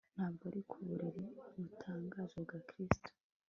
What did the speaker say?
ntabwo ari kuburiri butangaje bwa kristo